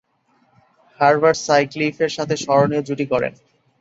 Herbert সাটক্লিফের সাথে স্মরণীয় জুটি গড়েন।